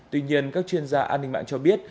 tuy nhiên các chuyên gia an ninh mạng cho biết